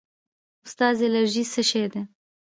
استاده الرژي څه شی ده